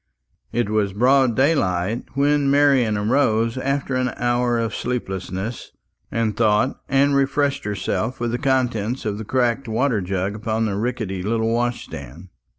It was broad daylight when Marian rose after an hour of sleeplessness and thought, and refreshed herself with the contents of the cracked water jug upon the rickety little wash stand.